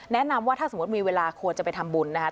แนะนำว่าถ้าสมมติมีเวลาควรจะไปทำบุญนะครับ